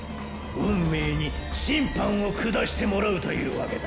運命に「審判」を下してもらうというわけだ！！